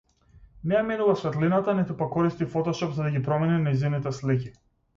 Не ја менува светлината, ниту пак користи фотошоп за да ги промени нејзините слики.